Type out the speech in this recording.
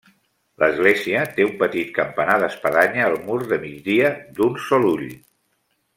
L'església té un petit campanar d'espadanya al mur de migdia d'un sol ull.